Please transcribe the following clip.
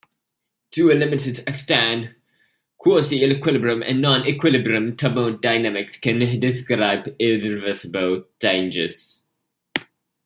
To a limited extent, quasi-equilibrium and non-equilibrium thermodynamics can describe irreversible changes.